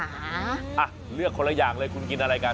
อ่ะเลือกคนละอย่างเลยคุณกินอะไรกัน